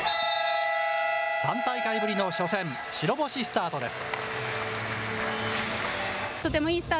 ３大会ぶりの初戦、白星スタートです。